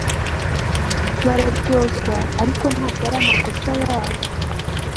Bararyozwa ariko ntabwo ari amakosa yabo